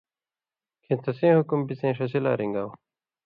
کھیں تسیں حُکم بِڅَیں ݜسی لا رِن٘گاؤ